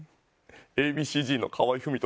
Ａ．Ｂ．Ｃ−Ｚの河合郁人です。